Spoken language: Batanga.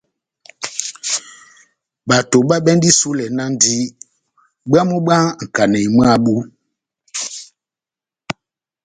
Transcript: Bato babɛndi isulɛ náhndi bwamu bwá nkanéi mwabu.